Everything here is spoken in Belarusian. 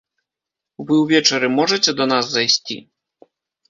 Вы ўвечары можаце да нас зайсці?